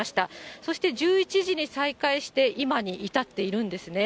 そして１１時に再開して、今に至っているんですね。